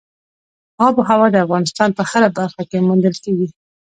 آب وهوا د افغانستان په هره برخه کې موندل کېږي.